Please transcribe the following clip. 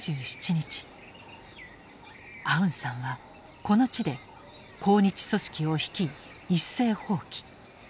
アウンサンはこの地で抗日組織を率い一斉蜂起。